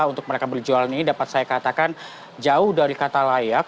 untuk mereka berjualan ini dapat saya katakan jauh dari kata layak